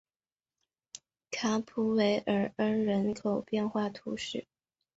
卡普韦尔恩人口变化图示